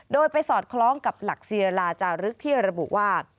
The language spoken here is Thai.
โดยไปสอดคล้องกับหลักศิลาจารึกที่ระบุว่า